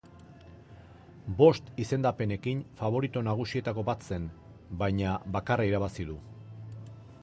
Bost izendapenekin, faborito nagusietako bat zen, baina bakarra irabazi du.